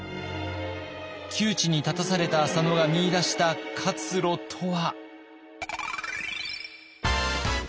窮地に立たされた浅野が見いだした活路とは。